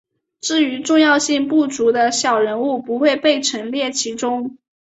至于重要性不足的小人物不会被陈列其中。